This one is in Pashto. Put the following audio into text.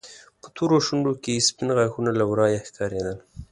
په تورو شونډو کې يې سپين غاښونه له ورايه ښکارېدل.